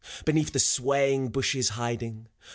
Beneath the swaying bushes hiding.